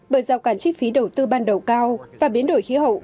bởi rào cản chi phí đầu tư ban đầu cao và biến đổi khí hậu